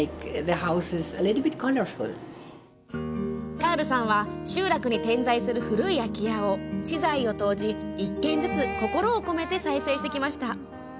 カールさんは集落に点在する古い空き家を私財を投じ、１軒ずつ心を込めて再生してきました。